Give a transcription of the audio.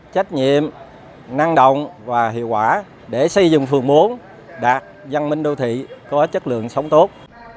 trách nhiệm năng động và hiệu quả để xây dựng phường bốn đạt văn minh đô thị có chất lượng sống tốt